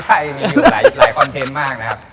ใช่มีอยู่หลายคอนเทนต์มากนะครับ